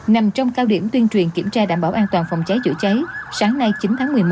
nằm trong cao điểm tuyên truyền kiểm tra đảm bảo an toàn phòng cháy chữa cháy sáng nay chín tháng một mươi một